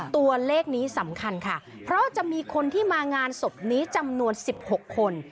ตัวเลขนี้สำคัญค่ะเพราะจะมีคนที่มางานศพนี้จำนวน๑๖คน